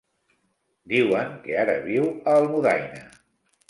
Diuen que ara viu a Almudaina.